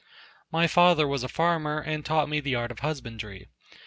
My father was a farmer and taught me the art of husbandry.